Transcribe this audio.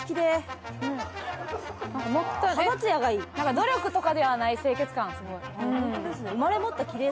努力とかではない清潔感すごい。